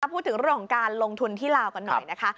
พูดถึงเรื่องของการลงทุนที่ลาวกันหน่อยนะคะ